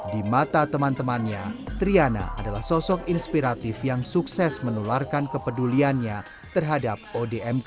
di mata teman temannya triana adalah sosok inspiratif yang sukses menularkan kepeduliannya terhadap odmkg